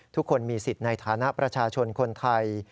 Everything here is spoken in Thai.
ทุกคนมีสิทธิ์ในฐานะประชาชนคนไทย